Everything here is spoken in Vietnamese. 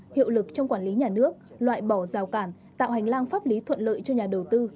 hiệu lực trong quản lý nhà nước loại bỏ rào cản tạo hành lang pháp lý thuận lợi cho nhà đầu tư